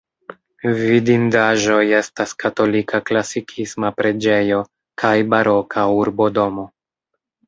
Vidindaĵoj estas katolika klasikisma preĝejo kaj baroka urbodomo.